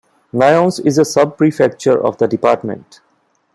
Nyons is a sub-prefecture of the department.